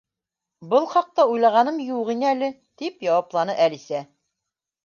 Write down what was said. —Был хаҡта уйлағаным юҡ ине әле, —тип яуапланы Әлисә.